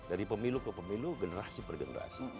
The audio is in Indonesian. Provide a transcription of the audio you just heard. dari pemilu ke pemilu generasi per generasi